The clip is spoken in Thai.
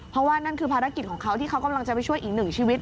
เพราะว่านั่นคือภารกิจของเขาที่เขากำลังจะไปช่วยอีกหนึ่งชีวิต